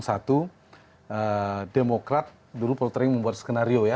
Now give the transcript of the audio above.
satu demokrat dulu poltering membuat skenario ya